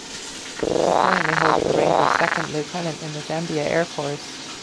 She currently holds the rank of second lieutenant in the Zambia Air Force.